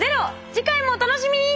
次回もお楽しみに！